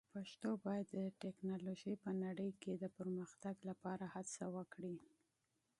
پښتو باید د ټکنالوژۍ په نړۍ کې د پرمختګ لپاره هڅه وکړي.